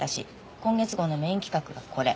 今月号のメイン企画がこれ。